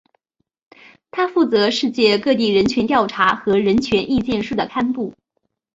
它负责世界各地人权调查和人权意见书的刊布。